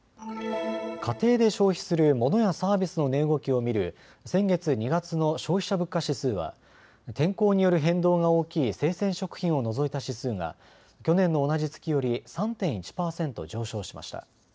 家庭で消費するモノやサービスの値動きを見る先月２月の消費者物価指数は天候による変動が大きい生鮮食品を除いた指数が去年の同じ月より３．１％上昇しました。